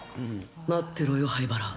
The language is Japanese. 待ってろよ、灰原。